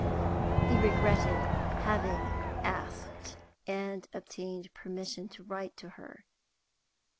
He regretted having asked and obtained permission to write to her.